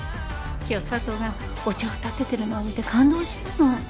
今日佐都がお茶をたててるのを見て感動したの。